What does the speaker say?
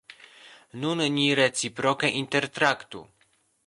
Nun ni reciproke intertraktu!